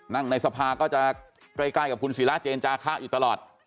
ในสภาก็จะใกล้กับคุณศิราเจนจาคะอยู่ตลอด